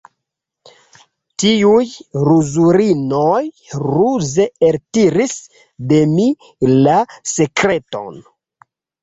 Tiuj ruzulinoj ruze eltiris de mi la sekreton.